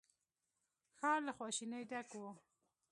ښار له خواشينۍ ډک و.